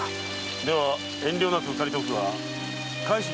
では遠慮なく借りておくが返しに行く場所は？